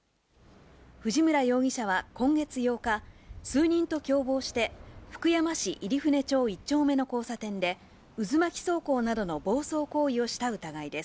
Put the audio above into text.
藤村容疑者は今月８日、数人と共謀して、福山市入船町１丁目の交差点で、渦巻き走行などの暴走行為をした疑いです。